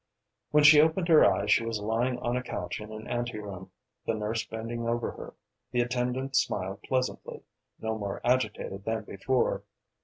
When she opened her eyes, she was lying on a couch in an anteroom, the nurse bending over her. The attendant smiled pleasantly, no more agitated than before.